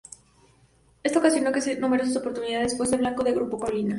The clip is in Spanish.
Esto ocasionó que en numerosas oportunidades fuese blanco del Grupo Colina.